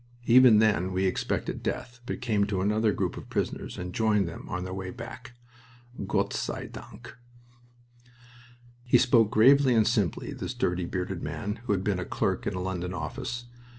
Even then we expected death, but came to another group of prisoners, and joined them on their way back. Gott sei dank!" He spoke gravely and simply, this dirty, bearded man, who had been a clerk in a London office.